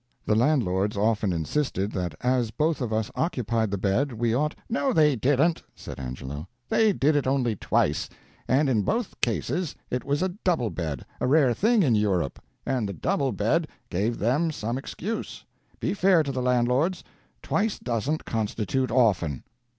The landlords often insisted that as both of us occupied the bed we ought " "No, they didn't," said Angelo. "They did it only twice, and in both cases it was a double bed a rare thing in Europe and the double bed gave them some excuse. Be fair to the landlords; twice doesn't constitute 'often.'"